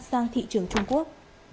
sang thị trường trung quốc